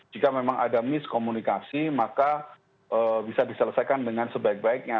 jika memang ada miskomunikasi maka bisa diselesaikan dengan sebaik baiknya